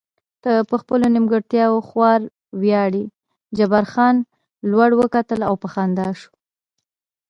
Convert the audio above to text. ته په خپلو نیمګړتیاوو خورا ویاړې، جبار خان لوړ وکتل او په خندا شو.